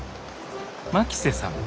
牧瀬さん